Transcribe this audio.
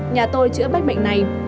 nhà tôi chữa bách bệnh này